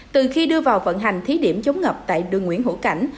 từ khi đưa vào vận hành thí điểm chống ngập tại đường nguyễn hữu cảnh